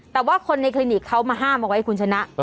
แต่ว่าคนในคลินิกเขามาห้ามเอาไว้คุณชนะ